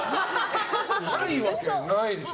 ないわけないでしょ。